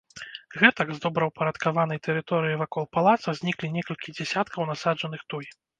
Гэтак, з добраўпарадкаванай тэрыторыі вакол палаца зніклі некалькі дзясяткаў насаджаных туй.